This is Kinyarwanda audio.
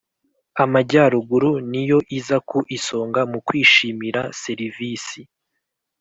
Amajyaruguru niyo iza ku isonga mu kwishimira serivisi